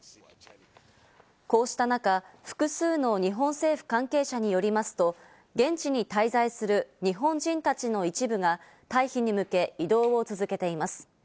こうした中、複数の日本政府関係者によりますと、現地に滞在する日本人たちの一部が退避に向け移動を続けています。